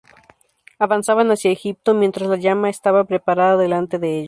Avanzaban hacia Egipto, mientras la llama estaba preparada delante de ellos.